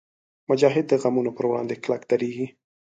مجاهد د غمونو پر وړاندې کلک درېږي.